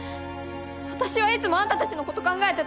私はいつもあんたたちの事考えてたのに！